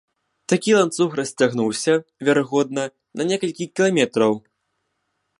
Такі ланцуг расцягнуўся, верагодна, на некалькі кіламетраў.